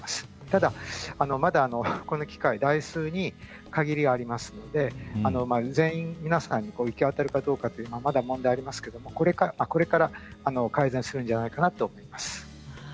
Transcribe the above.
ただこの機械、台数に限りがありますので全員、皆さんに行き渡るかどうかは問題がありますけどこれから改善するんじゃないかなと思います。